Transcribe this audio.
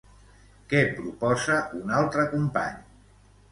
Què proposa un altre company?